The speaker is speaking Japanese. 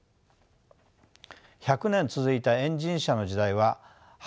１００年続いたエンジン車の時代は早かれ遅かれ